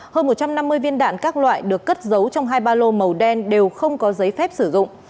hơn một trăm năm mươi viên đạn các loại được cất giấu trong hai ba lô màu đen đều không có giấy phép sử dụng